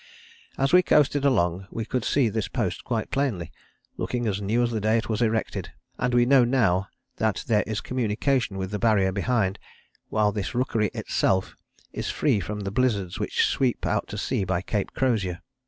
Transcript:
As we coasted along we could see this post quite plainly, looking as new as the day it was erected, and we know now that there is communication with the Barrier behind, while this rookery itself is free from the blizzards which sweep out to sea by Cape Crozier.